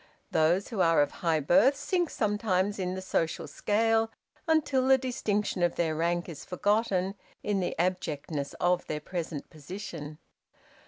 Those who are of high birth sink sometimes in the social scale until the distinction of their rank is forgotten in the abjectness of their present position.